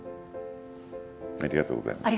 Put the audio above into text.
ありがとうございます。